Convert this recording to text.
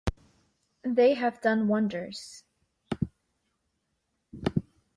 They have done wonders.